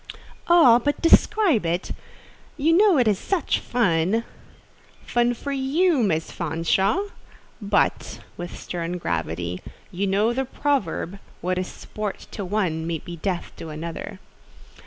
"Oh, but describe it—you know it is such fun!" "Fun for you, Miss Fanshawe? but" (with stern gravity) "you know the proverb—'What is sport to one may be death to another.